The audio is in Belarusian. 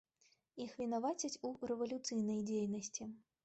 Іх вінавацяць у рэвалюцыйнай дзейнасці.